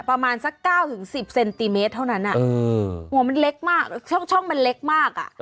ประมาณสักเก้าถึงสิบเซนติเมตรเท่านั้นอ่ะอืมหัวมันเล็กมากช่องช่องมันเล็กมากอ่ะ